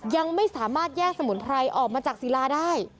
ยังไม่สามารถแยกสมุนไพรออกมาจากศิลาได้